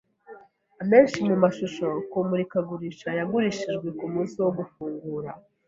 Amenshi mumashusho kumurikagurisha yagurishijwe kumunsi wo gufungura.